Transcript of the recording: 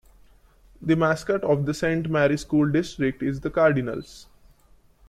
The mascot of the Saint Mary school district is the "Cardinals".